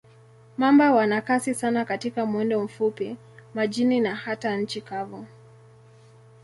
Mamba wana kasi sana katika mwendo mfupi, majini na hata nchi kavu.